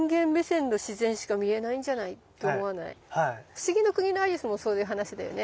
「不思議の国のアリス」もそういう話だよね。